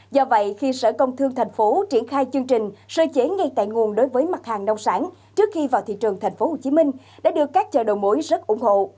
do vậy khi sở công thương thành phố triển khai chương trình sơ chế ngay tại nguồn đối với mặt hàng nông sản trước khi vào thị trường thành phố hồ chí minh đã được các chợ đầu mối rất ủng hộ